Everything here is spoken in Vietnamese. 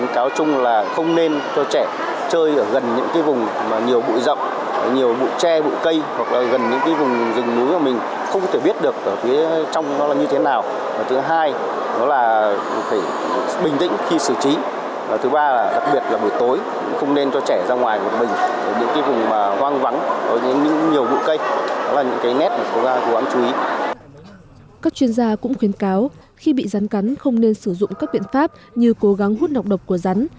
các chuyên gia cũng khuyến cáo khi bị rắn cắn không nên sử dụng các biện pháp như cố gắng hút độc độc của rắn